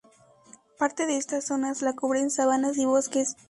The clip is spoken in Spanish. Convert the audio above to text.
Parte de estas zonas la cubren sabanas y bosques.